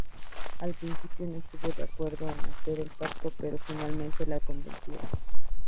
Al principio no estuvo de acuerdo en hacer el pacto pero finalmente la convencieron.